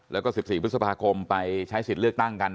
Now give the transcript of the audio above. แล้วก็๑๔พฤษภาคมไปใช้สิทธิ์เลือกตั้งกัน